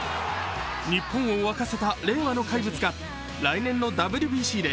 日本を沸かせた令和の怪物が来年のＷＢＣで